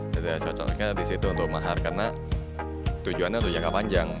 jadi ada contohnya disitu untuk mahar karena tujuannya untuk jangka panjang